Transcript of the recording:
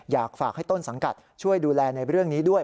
อยากฝากให้ต้นสังกัดช่วยดูแลในเรื่องนี้ด้วย